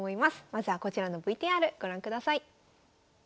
まずはこちらのＶＴＲご覧ください。